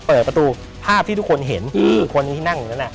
เปิดประตูภาพที่ทุกคนเห็นคนที่นั่งอยู่นั้น